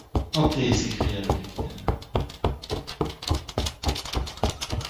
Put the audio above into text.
Hanté ! s’écria le capitaine.